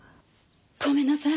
ごめんなさい。